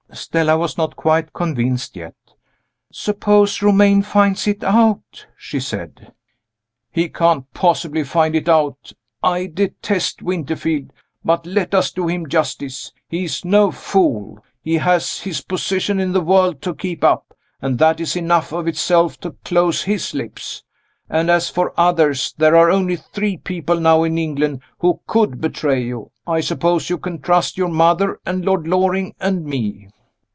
Stella was not quite convinced yet. "Suppose Romayne finds it out?" she said. "He can't possibly find it out. I detest Winterfield, but let us do him justice. He is no fool. He has his position in the world to keep up and that is enough of itself to close his lips. And as for others, there are only three people now in England who could betray you. I suppose you can trust your mother, and Lord Loring, and me?"